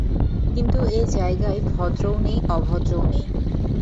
কিন্তু এ জায়গায় ভদ্রও নেই অভদ্রও নেই।